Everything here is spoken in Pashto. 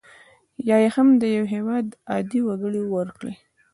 یا یې هم د یو هیواد عادي وګړي ورکړي.